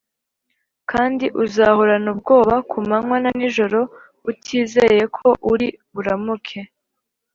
kandi uzahorana ubwoba ku manywa na nijoro, utizeye ko uri buramuke